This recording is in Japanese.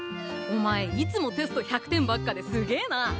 お前いつもテスト１００点ばっかですげえな。